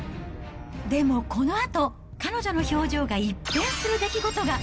でもこのあと、彼女の表情が一変する出来事が。